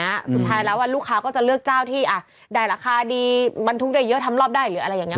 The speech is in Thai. สุดท้ายแล้วอ่ะลูกค้าก็จะเลือกเจ้าที่อ่ะได้ราคาดีบรรทุกได้เยอะทำรอบได้หรืออะไรอย่างเง